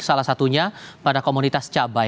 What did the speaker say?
salah satunya pada komunitas cabai